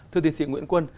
thưa tiến sĩ nguyễn quân